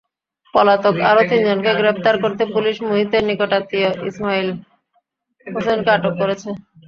পলাতক আরও তিনজনকে গ্রেপ্তার করতে পুলিশ মুহিতের নিকটাত্মীয় ইসমাইল হোসেনকে আটক করেছে।